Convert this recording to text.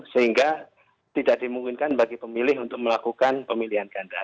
sehingga tidak dimungkinkan bagi pemilih untuk melakukan pemilihan ganda